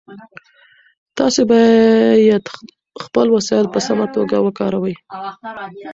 تاسو باید خپل وسایل په سمه توګه وکاروئ.